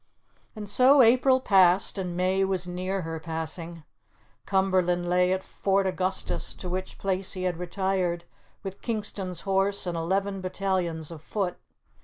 And so April passed, and May was near her passing. Cumberland lay at Fort Augustus, to which place he had retired with Kingston's Horse and eleven battalions of foot.